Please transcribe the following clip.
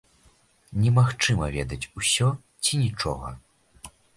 Немагчыма ведаць усё ці нічога.